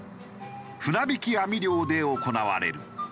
船びき網漁で行われる。